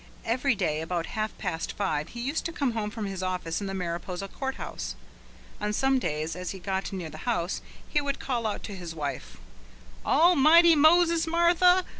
Every day about half past five he used to come home from his office in the Mariposa Court House. On some days as he got near the house he would call out to his wife: "Almighty Moses, Martha!